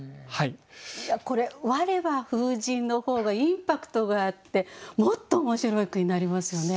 これ「われは風神」の方がインパクトがあってもっと面白い句になりますよね。